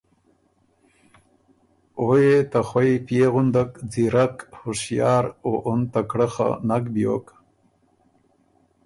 او يې ته خوئ پئے غندک ځیرک، هُشیار او اُن تکړۀ خه نک بیوک۔